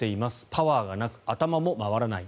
パワーがなく、頭も回らない。